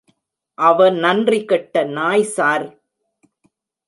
அவ நன்றி கெட்ட நாய் ஸார்.